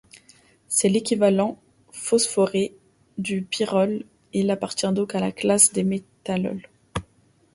C'est l'équivalent phosphoré du pyrrole, et il appartient donc à la classe des métalloles.